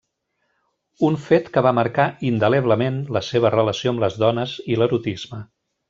Un fet que va marcar indeleblement la seva relació amb les dones i l'erotisme.